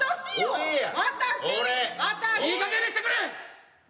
いいかげんにしてくれ！